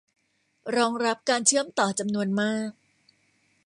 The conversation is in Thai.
รองรับการเชื่อมต่อจำนวนมาก